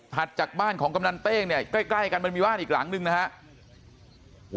จากบ้านของกำนันเต้งเนี่ยใกล้กันมันมีบ้านอีกหลังนึงนะครับ